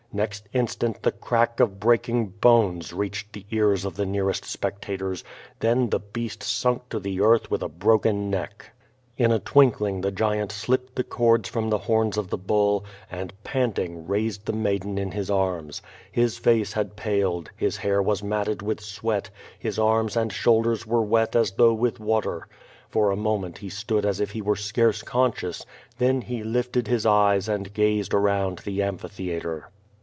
Next instant the crack of breaking bones reached the ears of the nearest spectators; then the beast sunk to the earth with a broken neck. In a t^dnkling the giant slipped the cords from the horns of the bully and, panting, raised the maiden in his arms. His face had paled, his hair was matted with sweat, his arms and shoulders were wet as though with water. For a moment he stood as if he were scarce conscious, then he lifted his eyes and gazed around the amphitheatre.